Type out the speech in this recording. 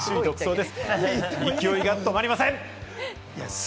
勢いが止まりません。